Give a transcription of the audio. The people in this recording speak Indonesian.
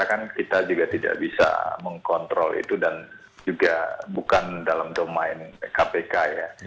karena kan kita juga tidak bisa mengkontrol itu dan juga bukan dalam domain kpk ya